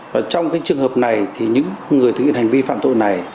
và trong cái trường hợp này thì những người thực hiện hành vi phạm tội này